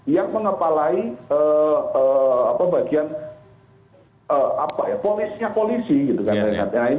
yang mengepalai bagian ponisnya polisi gitu kan